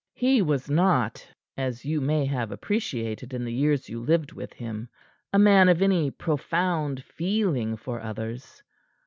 "He was not as you may have appreciated in the years you lived with him a man of any profound feeling for others.